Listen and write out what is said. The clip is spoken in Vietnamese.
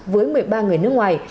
với một mươi ba người nước ngoài